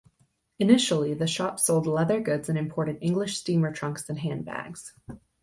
Initially, the shop sold leather goods and imported English steamer trunks and handbags.